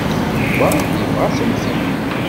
Yuba yebɣa ad temmtem.